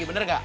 betul gak